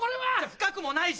深くもないし。